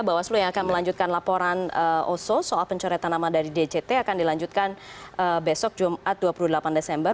bawaslu yang akan melanjutkan laporan oso soal pencoretan nama dari dct akan dilanjutkan besok jumat dua puluh delapan desember